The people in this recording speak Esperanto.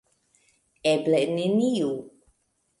Eble neniu.